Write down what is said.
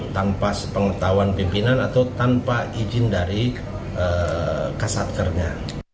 tanpa sepengetahuan pimpinan atau tanpa izin dari kasatkernya